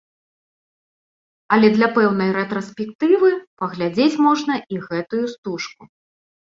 Але для пэўнай рэтраспектывы паглядзець можна і гэтую стужку.